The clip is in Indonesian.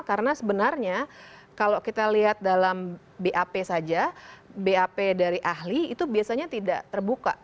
karena sebenarnya kalau kita lihat dalam bap saja bap dari ahli itu biasanya tidak terbuka